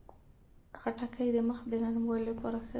خټکی د مخ د نرموالي لپاره ښه دی.